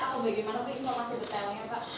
bagaimana itu informasi detailnya pak